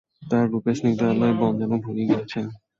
তার রূপের স্নিগ্ধ আলোয় বন যেন ভরিয়া গিয়াছে।